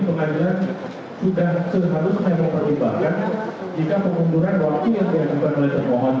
peradilan sudah sepatutnya mempertimbangkan jika pengumuman waktu yang diaturkan oleh pemerintahan mohon